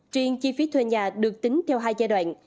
triên chi phí thuê nhà được tính theo hai giai đoạn